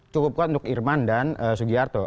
cukup kuat untuk irman dan sugiarto